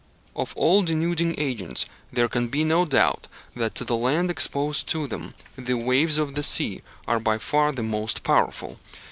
Of all denuding agents, there can be no doubt that, to the land exposed to them, the waves of the sea are by far the most powerful.